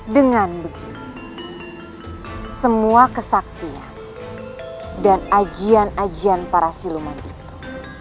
dengan begitu semua kesaktian dan ajian ajian para siluman itu